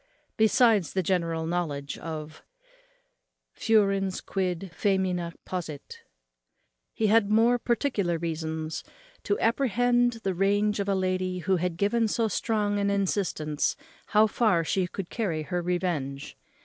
Besides the general knowledge of _ Furens quid faemina possit,_ he had more particular reasons to apprehend the rage of a lady who had given so strong an instance how far she could carry her revenge.